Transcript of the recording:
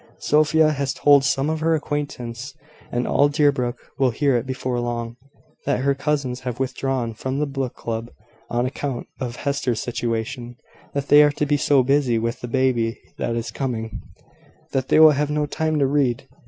Sophia has told some of her acquaintance, and all Deerbrook will hear it before long, that her cousins have withdrawn from the book club on account of Hester's situation; that they are to be so busy with the baby that is coming, that they will have no time to read."